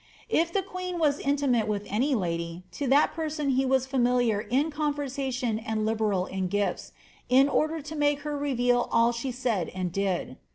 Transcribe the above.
^^ If the queen was intimate with any lady, to that person he was familiar in conversation and liberal iu gifls, in order to make her reveal all she said and did.